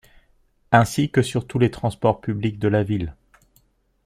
Ainsi que sur tous les transports publics de la ville.